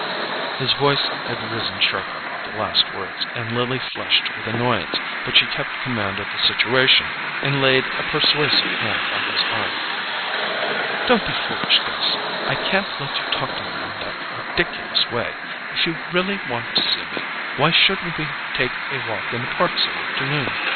His voice had risen sharply with the last words, and Lily flushed with annoyance, but she kept command of the situation and laid a persuasive hand on his arm. "Don't be foolish, Gus; I can't let you talk to me in that ridiculous way. If you really want to see me, why shouldn't we take a walk in the Park some afternoon?